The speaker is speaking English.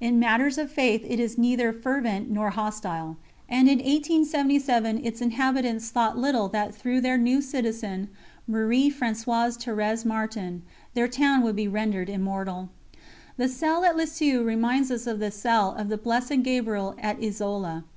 In matters of faith it is neither fervent nor hostile, and in 1877 its inhabitants little thought that through their new citizen, Marie Françoise Thérèse Martin, their town would be rendered immortal. "The cell at Lisieux reminds us of the cell of the Blessed Gabriel at Isola.